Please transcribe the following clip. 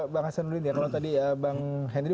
bang hasan ulin ya kalau tadi bang henry